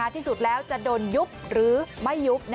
ที่สุดแล้วจะโดนยุบหรือไม่ยุบ